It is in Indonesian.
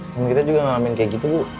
sama kita juga ngalamin kayak gitu bu